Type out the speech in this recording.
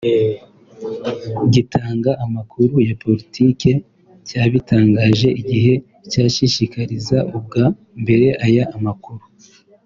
gitanga amakuru ya politike cyabitangaje igihe cyashikiriza ubwa mbere aya amakuru